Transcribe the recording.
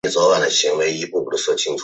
因涉及职棒假球案遭到兄弟象队开除。